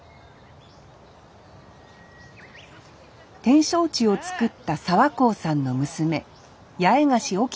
展勝地をつくった澤幸さんの娘